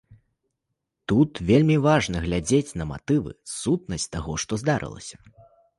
Тут вельмі важна глядзець на матывы, сутнасць таго, што здарылася.